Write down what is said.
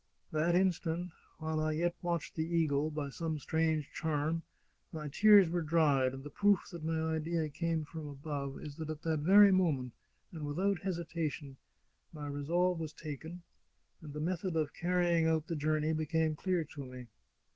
' That instant, while I yet watched the eagle, by some strange charm, my tears were dried, and the proof that my idea came from above is that at that very moment, and without hesitation, my resolve was taken, and the method of carrying out the journey became clear to me.